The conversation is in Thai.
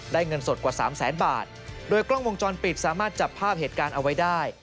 เงินสดกว่าสามแสนบาทโดยกล้องวงจรปิดสามารถจับภาพเหตุการณ์เอาไว้ได้